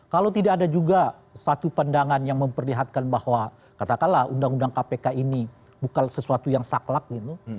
kalau tidak ada juga satu pandangan yang memperlihatkan bahwa katakanlah undang undang kpk ini bukan sesuatu yang saklak gitu